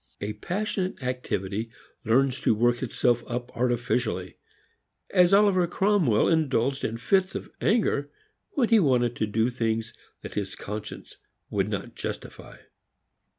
A passionate activity learns to work itself up artificially as Oliver Cromwell indulged in fits of anger when he wanted to do things that his conscience would not justify.